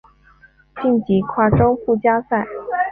晋级跨洲附加赛。